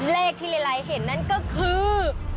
เลขที่หลายเห็นนั่นก็คือ